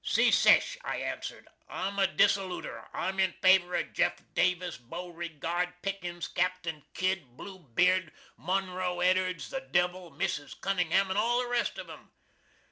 "Secesh!" I ansered. "I'm a Dissoluter. I'm in favor of Jeff Davis, Bowregard, Pickens, Capt. Kidd, Bloobeard, Munro Edards, the devil, Mrs. Cunningham and all the rest of 'em."